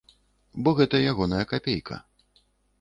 Бо гэта ягоная капейка.